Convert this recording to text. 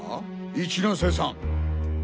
一ノ瀬さん！